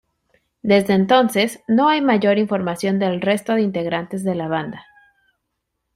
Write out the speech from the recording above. Desde entonces, no hay mayor información del resto de integrantes de la banda.